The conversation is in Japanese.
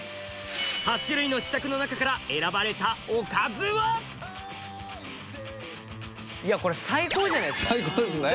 ８種類の試作の中から選ばれたおかずはいやこれ最高じゃないですか？